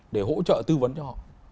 để hỗ trợ tư vấn cho họ